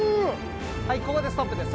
はいここでストップです。